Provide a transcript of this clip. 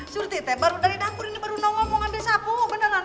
suruh titik baru dari dapur ini baru nolong ngomongan desa apa mau beneran